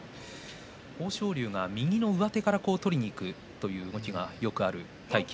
豊昇龍が右の上手から取りにいく動きがよくある霧